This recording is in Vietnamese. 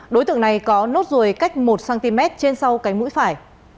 đối tượng này có nốt ruồi cách một cm trên sau cánh mũi phải